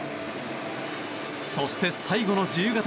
そして、最後の自由形。